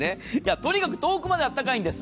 とにかく遠くまであったかいんです。